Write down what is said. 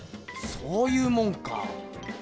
そういうもんか。